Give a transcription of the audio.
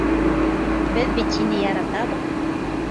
Беҙ бит һине яратабыҙ.